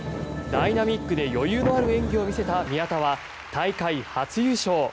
ダイナミックで余裕のある演技を見せた宮田は大会初優勝。